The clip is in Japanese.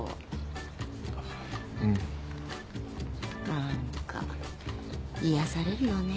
何か癒やされるよね。